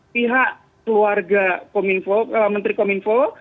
pihak keluarga menteri kominfo